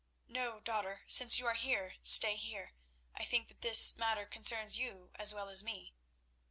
"No, daughter. Since you are here, stay here. I think that this matter concerns you as well as me.